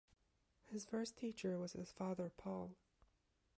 His first teacher was his father Paul.